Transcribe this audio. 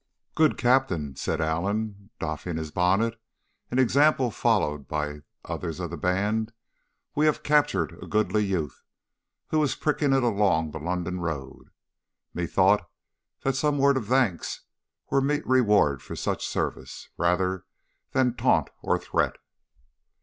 "'Good captain,' said Allen, doffing his bonnet, an example followed by others of the band, 'we have captured a goodly youth who was pricking it along the London road. Methought that some word of thanks were meet reward for such service, rather than taunt or threat.